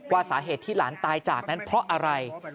สาเหตุที่หลานตายจากนั้นเพราะอะไร